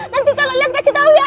nanti kalau liat kasih tau ya